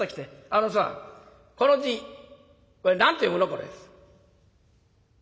あのさこの字これ何て読むの？これ」。